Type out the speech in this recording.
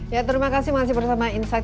ya terima kasih masih bersama insight